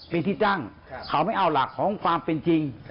เป็นที่ตั้งเขาไม่เอาหลักของความเป็นจริง